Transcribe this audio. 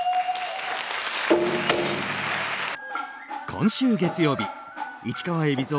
今週月曜日、市川海老蔵